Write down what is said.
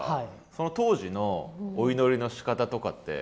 その当時のお祈りのしかたとかって。